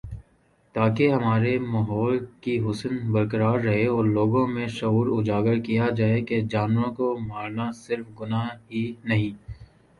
تاکہ ہمارے ماحول کی حسن برقرار رہے اور لوگوں میں شعور اجاگر کیا جائے کہ جانوروں کو مار نا صرف گناہ ہی نہیں